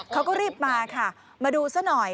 เขาก็รีบมาค่ะมาดูซะหน่อย